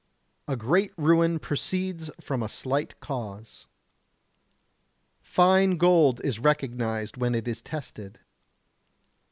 Great ruin proceeds from a slight cause. Fine gold is recognized when it is tested.